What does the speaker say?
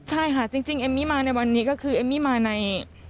ใช่ค่ะจริงเอมมี่มาในวันนี้ก็คือเอมมี่มาใน